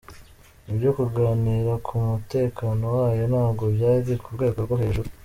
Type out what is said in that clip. Ibyo kuganira ku mutekano wayo ntabwo byari ku rwego rwo hejuru.